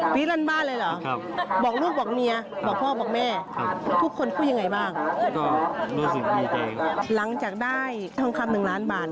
เปิดร้านซ่อมครับ